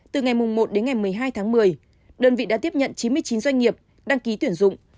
từ ngày một đến ngày một mươi hai tháng một mươi đơn vị đã tiếp nhận chín mươi chín doanh nghiệp đăng ký tuyển dụng